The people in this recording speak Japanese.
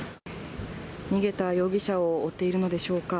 逃げた容疑者を追っているのでしょうか。